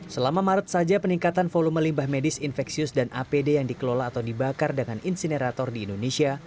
selama maret saja peningkatan volume limbah medis infeksius dan apd yang dikelola atau dibakar dengan insinerator di indonesia